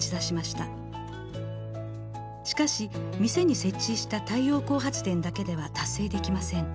しかし店に設置した太陽光発電だけでは達成できません。